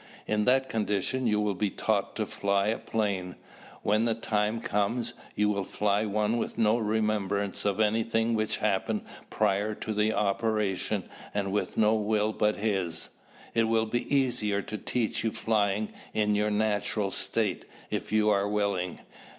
In that condition you will be taught to fly a plane. When the time comes, you will fly one with no remembrance of anything which happened prior to the operation and with no will but his. It will be easier to teach you flying in your natural state if you are willing.